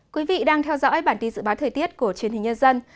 quý vị đang theo dõi bản tin dự báo thời tiết của truyền hình nhân dân